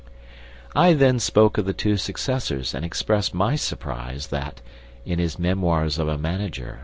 I then spoke of the two successors and expressed my surprise that, in his Memoirs of a Manager, M.